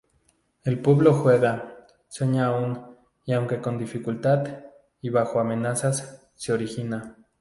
El pueblo juega, sueña aún, y aunque con dificultad y bajo amenaza, se organiza.